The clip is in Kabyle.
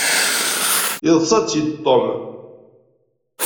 Yeḍṣa-tt-id Tom.